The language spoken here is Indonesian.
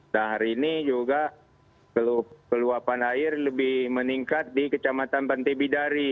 dan hari ini juga keluapan air lebih meningkat di kecamatan pantai bidari